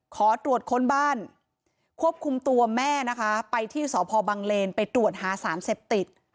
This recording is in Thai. ขอตรวจค้นบ้านควบคุมตัวแม่นะคะไปที่สพบังเลนไปตรวจหาสารเสพติด